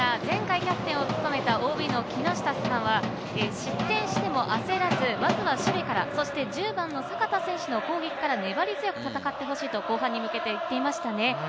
東山高校応援席ですが、前回キャプテンを務めたＯＢの木下さんは、失点しても焦らず、まずは守備から、そして１０番の阪田選手の攻撃から粘り強く戦ってほしいと後半に向けて言っていました。